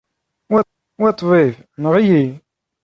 Wa ṭbib enɣ-iyi.